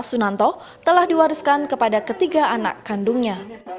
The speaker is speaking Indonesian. sunanto telah diwariskan kepada ketiga anak kandungnya